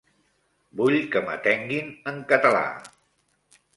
Vull que m'atenguin en català.